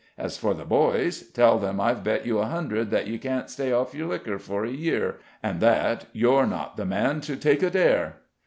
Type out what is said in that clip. As for the boys, tell them I've bet you a hundred that you can't stay off your liquor for a year, and that, you're not the man to take a dare."